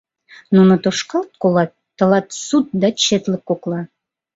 Нуно тошкалт колат, тылат — суд да четлык кокла.